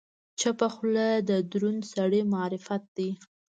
چپه خوله، د دروند سړي معرفت دی.